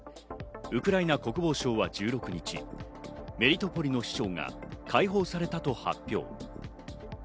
ウクライナ国防省は１６日、メリトポリの市長が解放されたと発表。